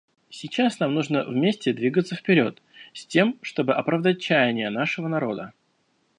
Сейчас нам нужно вместе двигаться вперед, с тем чтобы оправдать чаяния нашего народа.